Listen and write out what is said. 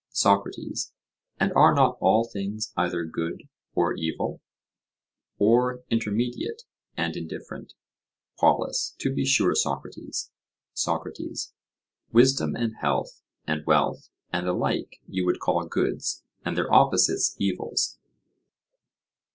SOCRATES: And are not all things either good or evil, or intermediate and indifferent? POLUS: To be sure, Socrates. SOCRATES: Wisdom and health and wealth and the like you would call goods, and their opposites evils?